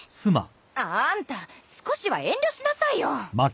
あんた少しは遠慮しなさいよ。